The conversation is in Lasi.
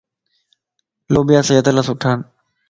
لوبيا صحت لا سھڻان